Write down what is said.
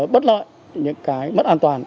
bất loại những cái mất an toàn